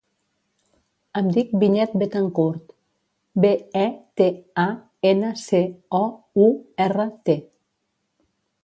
Em dic Vinyet Betancourt: be, e, te, a, ena, ce, o, u, erra, te.